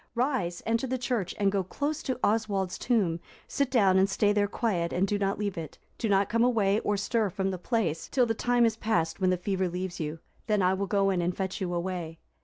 Rise, enter the church, and go close to Oswald's tomb; sit down and stay there quiet and do not leave it; do not come away, or stir from the place, till the time is past, when the fever leaves you: then I will go in and fetch you away."